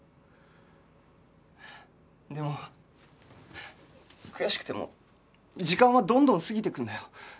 でも悔しくても時間はどんどん過ぎていくんだよ。